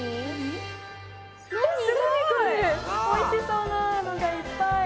おいしそうなのがいっぱい！